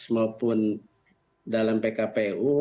maupun dalam pkpu